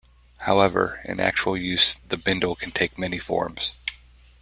However, in actual use the bindle can take many forms.